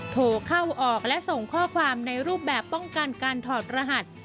โทรเข้าออกและส่งข้อความในรูปแบบป้องกันการถอดรหัส